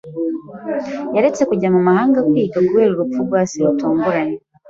Yaretse kujya mu mahanga kwiga kubera urupfu rwa se rutunguranye.